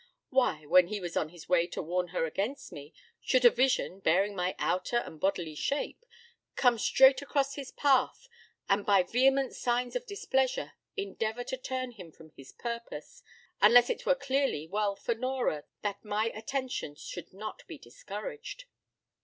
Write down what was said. Why, when he was on his way to warn her against me, should a vision, bearing my outer and bodily shape, come straight across his path, and by vehement signs of displeasure, endeavour to turn him from his purpose, unless it were clearly well for Nora that my attentions should not be discouraged?